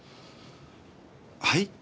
はい？